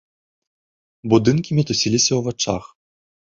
Будынкі мітусіліся ў вачах.